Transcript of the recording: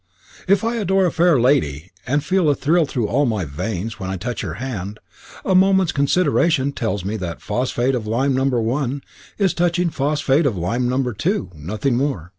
If I adore a fair lady, and feel a thrill through all my veins when I touch her hand, a moment's consideration tells me that phosphate of lime No. 1 is touching phosphate of lime No. 2 nothing more.